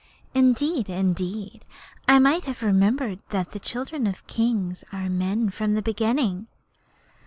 Indeed, indeed, I might have remembered that the children of kings are men from the beginning.'